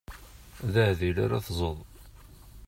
D aɛdil ara tẓeḍ.